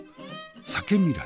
酒未来。